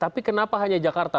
tapi kenapa hanya jakarta